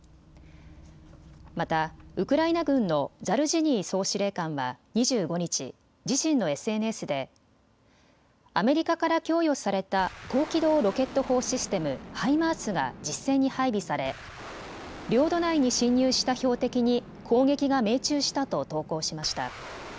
またウクライナ軍のザルジニー総司令官は２５日、自身のＳＮＳでアメリカから供与された高機動ロケット砲システム・ハイマースが実戦に配備され領土内に侵入した標的に攻撃が命中したと投稿しました。